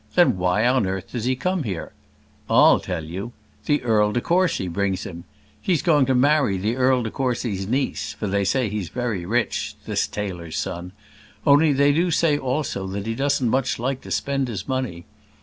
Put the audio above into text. Then, why on earth does he come here? I'll tell you. The Earl de Courcy brings him. He's going to marry the Earl de Courcy's niece; for they say he's very rich this tailor's son only they do say also that he doesn't much like to spend his money.